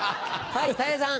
はいたい平さん。